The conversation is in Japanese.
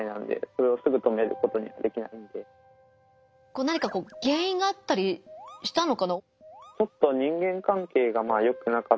何か原因があったりしたのかな？